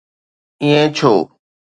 ائين ڇو؟